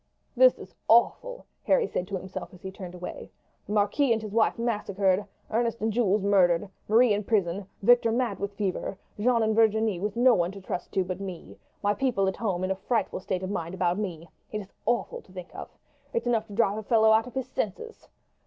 "This is awful!" Harry said to himself as he turned away. "The marquis and his wife massacred, Ernest and Jules murdered, Marie in prison, Victor mad with fever, Jeanne and Virginie with no one to trust to but me, my people at home in a frightful state of mind about me. It is awful to think of. It's enough to drive a fellow out of his senses.